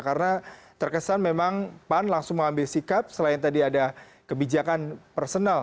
karena terkesan memang pan langsung mengambil sikap selain tadi ada kebijakan personal